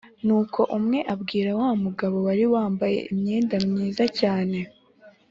Nuko umwe abwira wa mugabo wari wambaye imyenda myiza cyane